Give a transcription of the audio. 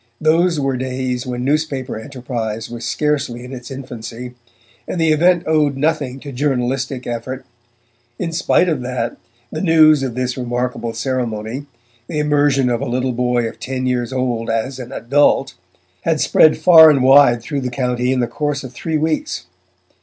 Those were days when newspaper enterprise was scarcely in its infancy, and the event owed nothing to journalistic effort; in spite of that, the news of this remarkable ceremony, the immersion of a little boy of ten years old 'as an adult', had spread far and wide through the county in the course of three weeks.